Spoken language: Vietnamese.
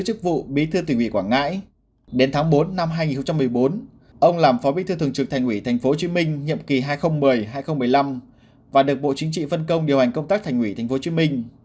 đến tháng bốn năm hai nghìn một mươi bốn ông làm phó bí thư thường trực thành ủy tp hcm nhiệm kỳ hai nghìn một mươi hai nghìn một mươi năm và được bộ chính trị phân công điều hành công tác thành ủy tp hcm